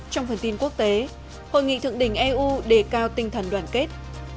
trong phần tin quốc tế hội nghị thượng đỉnh eu đề cao tinh thần đoàn kết